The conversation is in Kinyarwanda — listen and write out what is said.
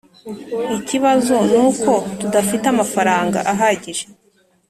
ikibazo nuko tudafite amafaranga ahagije.